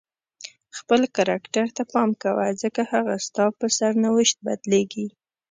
خپل کرکټر ته پام کوه ځکه هغه ستا په سرنوشت بدلیږي.